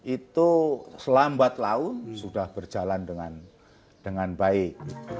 itu selambat laun sudah berjalan dengan baik